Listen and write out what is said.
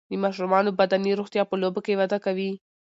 د ماشومانو بدني روغتیا په لوبو کې وده کوي.